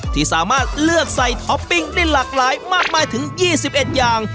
ที่สามารถเลือกใส่ท็อปปิ้งได้หลากหลายมากมายถึง๒๑อย่าง